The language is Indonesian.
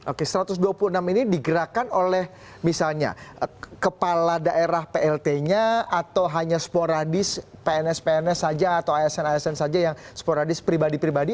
oke satu ratus dua puluh enam ini digerakkan oleh misalnya kepala daerah plt nya atau hanya sporadis pns pns saja atau asn asn saja yang sporadis pribadi pribadi